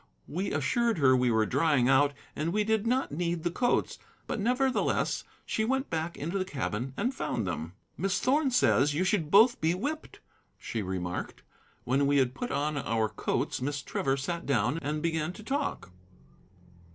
We assured her we were drying out and did not need the coats, but nevertheless she went back into the cabin and found them. "Miss Thorn says you should both be whipped," she remarked. When we had put on our coats Miss Trevor sat down and began to talk.